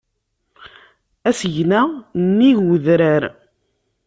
Asegna nnig udrar.